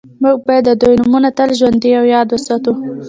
موږ باید د دوی نومونه تل ژوندي او یاد وساتو